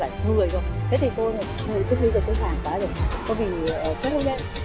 thế thì tôi tự nhiên tôi tự phản bảo là tôi bị chết không nhé